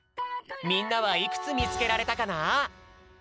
みんなはいくつみつけられたかな？